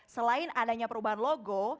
selain adanya perubahan logo